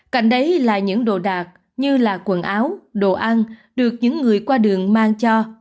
cạnh đấy là những đồ đạc như là quần áo đồ ăn được những người qua đường mang cho